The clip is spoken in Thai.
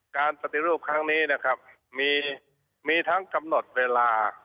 การปฏิรูปครั้งนี้นะครับมีทั้งกำหนดเวลา